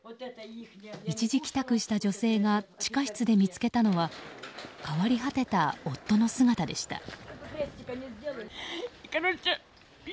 一時帰宅した女性が地下室で見つけたのは変わり果てた夫の姿でした。